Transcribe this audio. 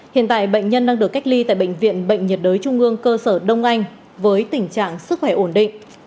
hiện tại bệnh nhân đang được cách ly tại bệnh viện bệnh nhiệt đới trung ương cơ sở đông anh với tình trạng sức khỏe ổn định